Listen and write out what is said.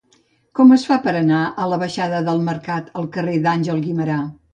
Com es fa per anar de la baixada del Mercat al carrer d'Àngel Guimerà?